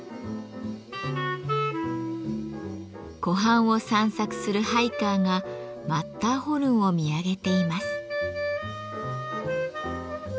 湖畔を散策するハイカーがマッターホルンを見上げています。